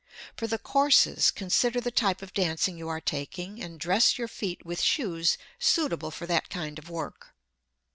For the courses, consider the type of dancing you are taking and dress your feet with shoes suitable for that kind of work.